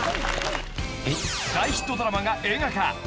［大ヒットドラマが映画化